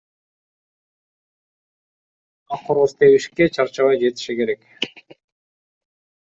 А короз тебишке чарчабай жетиши керек.